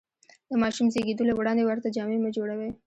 د ماشوم زېږېدلو وړاندې ورته جامې مه جوړوئ.